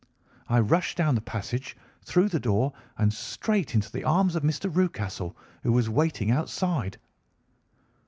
I rushed down the passage, through the door, and straight into the arms of Mr. Rucastle, who was waiting outside.